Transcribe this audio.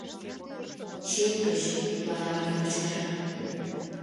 - чеп гыч тудлан ала-кӧ кычкыра.